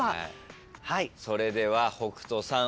それでは北斗さん